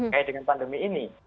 kaya dengan pandemi ini